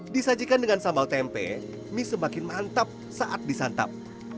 disajikan dengan sambal tempe mie semakin mantap saat disantap